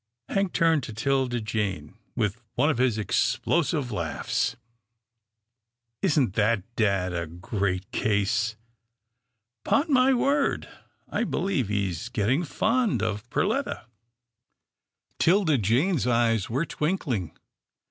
Hank turned to 'Tilda Jane with one of his explosive laughs. " Isn't that dad a great case. 'Pon my word, I believe he's get ting fond of Perletta." 'Tilda Jane's eyes were twinkling.